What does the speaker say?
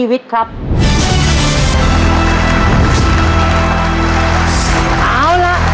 ต่อไปอีกหนึ่งข้อเดี๋ยวเราไปฟังเฉลยพร้อมกันนะครับคุณผู้ชม